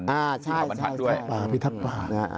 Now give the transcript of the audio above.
อ่าใช่ใช่พี่ทัศน์พี่ทัศน์พี่ทัศน์พี่ทัศน์